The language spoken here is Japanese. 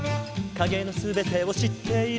「影の全てを知っている」